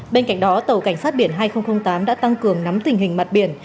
bên cạnh đó tàu cảnh sát biển hai nghìn tám đã tăng cường nắm tình hình mặt biển